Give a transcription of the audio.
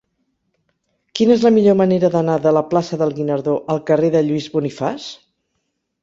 Quina és la millor manera d'anar de la plaça del Guinardó al carrer de Lluís Bonifaç?